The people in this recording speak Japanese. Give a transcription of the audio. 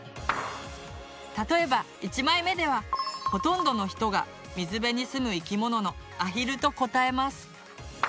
例えば１枚目ではほとんどの人が水辺に住む生きものの「アヒル」と答えます。